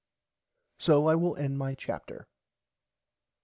So I will end my chapter.